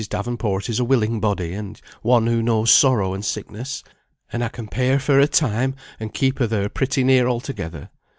Davenport is a willing body, and one who knows sorrow and sickness, and I can pay her for her time, and keep her there pretty near altogether.